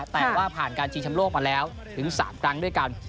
แต่ว่าผ่านการชิงชำโลกมาแล้วถึง๓ครั้งด้วยกัน